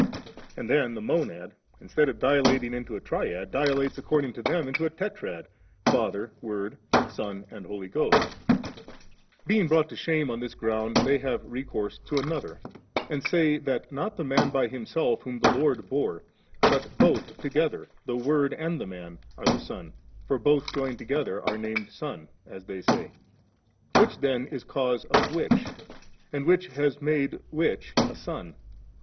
and then the Monad, I instead of dilating into a Triad, dilates accord ing to them into a Tetrad, Father, Word, Son, I and Holy Ghost Being brought to shame on ^ this ground, they have recourse to another, and I say that not the Man by Himself whom the Lord I bore, but both together, the Word and the Man, are the Son ; for both joined together are named Son, as they say. Which then is cause , of which ? and which has made which a Son